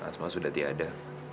asma sudah tidak ada